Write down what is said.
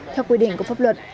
theo quy định của pháp luật